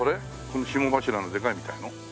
この霜柱のでかいみたいなの？